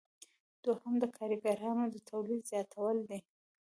دوهم د کاریګرانو د تولید زیاتول دي.